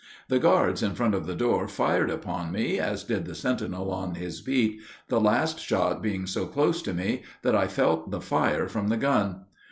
The guards in front of the door fired upon me, as did the sentinel on his beat, the last shot being so close to me that I felt the fire from the gun.